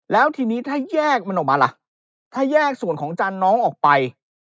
แล้วทีนี้ถ้าแยกมันออกมาล่ะถ้าแยกส่วนของจันทร์น้องออกไป